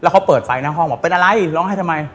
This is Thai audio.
เขาเปิดไฟหน้าห้องบอกเป็นอะไรร้องไห้ทำไม